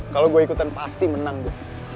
kalo gua ikutan pasti menang gue